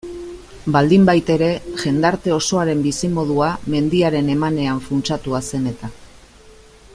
Baldinbaitere, jendarte osoaren bizimodua mendiaren emanean funtsatua zen eta.